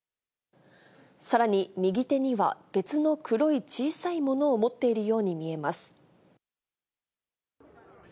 さらに右手には別の黒い小さいものを持っているように見えます。